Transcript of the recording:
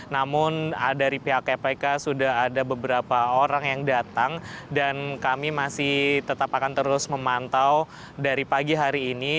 namun dari pihak kpk sudah ada beberapa orang yang datang dan kami masih tetap akan terus memantau dari pagi hari ini